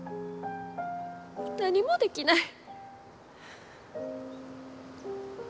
何もできない。